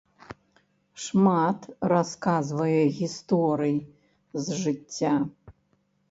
Шмат расказвае гісторый з жыцця.